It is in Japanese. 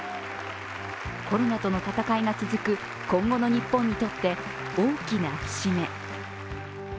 コロナとの戦いが続く今後の日本にとって大きな節目。